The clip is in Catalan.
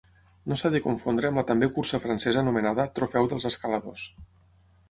No s'ha de confondre amb la també cursa francesa anomenada Trofeu dels Escaladors.